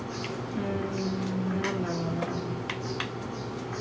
うん。